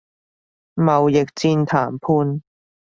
貿易戰談判